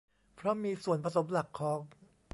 เพราะมีส่วนผสมหลักของ